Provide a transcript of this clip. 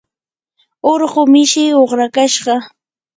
urqu mishii uqrakashqa.